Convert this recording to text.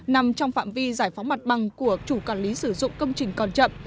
nằm trong phạm vi giải phóng mặt bằng của chủ quản lý sử dụng công trình còn chậm